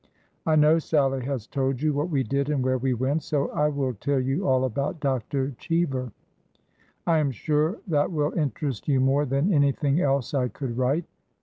I know Sallie has told you what we did and where we went, so I will tell you all about Dr. Cheever. I am sure that will interest you more than anything else I could write.